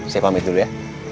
saya pamit dulu ya